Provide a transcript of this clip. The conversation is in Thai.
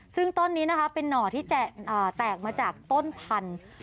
ซึ่งต้นนี้นะคะเป็นหน่อที่จะแตกมาจากต้นพันธุ์